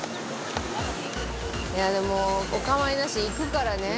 いやでもお構いなしに行くからね。